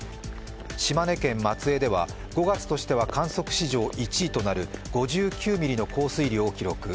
島根県松江では５月としては観測史上１位となる５９ミリの降水量を記録。